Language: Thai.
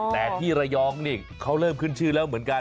แต่ที่ระยองนี่เขาเริ่มขึ้นชื่อแล้วเหมือนกัน